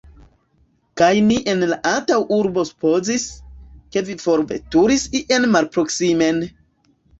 Kaj ni en la antaŭurbo supozis, ke vi forveturis ien malproksimen!